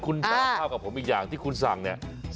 คุณสารข้าวกับผมอีกอย่างที่คุณสั่งเนี่ย